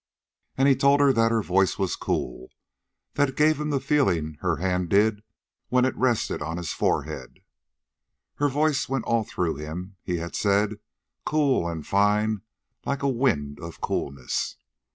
And he had told her that her voice was cool, that it gave him the feeling her hand did when it rested on his forehead. Her voice went all through him, he had said, cool and fine, like a wind of coolness.